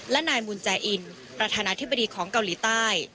และนายมุนแจอินประธานาธิบดีของเกาหลีใต้